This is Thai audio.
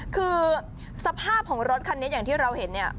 คือสภาพของรถคันนี้อย่างที่เราเห็นเนี่ย